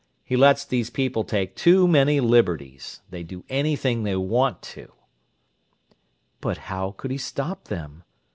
He lets these people take too many liberties: they do anything they want to." "But how could he stop them?"